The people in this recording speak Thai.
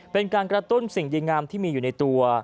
เป็นการกระตุ้นสิ่งดีงามที่มีอยู่ในตัว